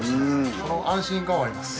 その安心感はあります。